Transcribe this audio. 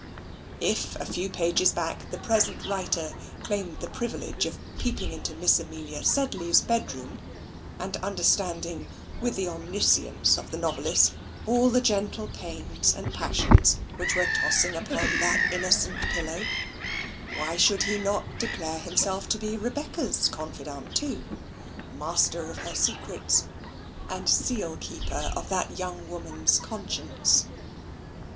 If, a few pages back, the present writer claimed the privilege of peeping into Miss Amelia Sedley's bedroom, and understanding with the omniscience of the novelist all the gentle pains and passions which were tossing upon that innocent pillow, why should he not declare himself to be Rebecca's confidante too, master of her secrets, and seal keeper of that young woman's conscience?